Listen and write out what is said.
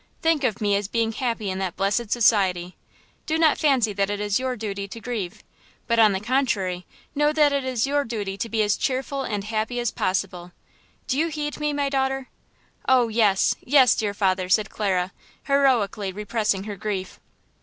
Think of me as being happy in that blessed society. Do not fancy that it is your duty to grieve, but, on the contrary, know that it is your duty be as cheerful and happy as possible. Do you heed me, my daughter?" "Oh, yes, yes, dear father!" said Clara, heroically repressing her grief.